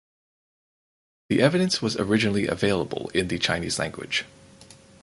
The evidence was originally available in the Chinese language.